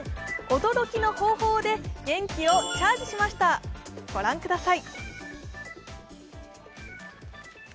驚きの方法で元気をチャージしました、御覧ください。